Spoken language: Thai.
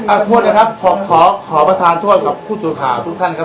ไม่อ่าโทษนะครับขอขอขอประทานโทษกับผู้สูงข่าวทุกท่านครับ